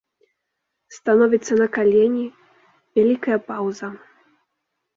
Становіцца на калені, вялікая паўза.